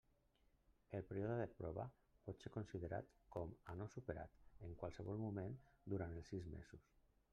El període de prova pot ser considerat com a no superat en qualsevol moment durant els sis mesos.